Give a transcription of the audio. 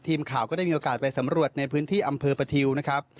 ทีมข่าวก็ได้มีโอกาสไปสำรวจในพื้นที่อำเภอประทิวนะครับ